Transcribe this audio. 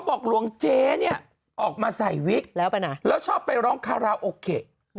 ออกมาใส่วิทยาปัญหาและชอบไปร้องคาราโอเค